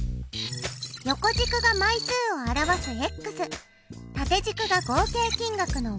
横軸が枚数を表す縦軸が合計金額の。